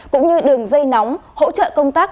cũng như đường dây nóng hỗ trợ công tác